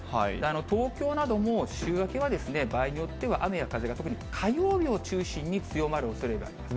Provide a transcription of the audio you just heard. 東京なども週明けはですね、場合によっては雨や風が、特に火曜日を中心に強まるおそれがあります。